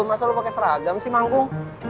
masa lo pake seragam sih mangkung